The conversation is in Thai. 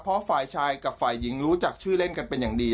เพราะฝ่ายชายกับฝ่ายหญิงรู้จักชื่อเล่นกันเป็นอย่างดี